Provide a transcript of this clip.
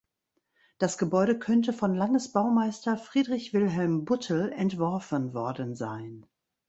Das Gebäude könnte von Landesbaumeister Friedrich Wilhelm Buttel entworfen worden sein.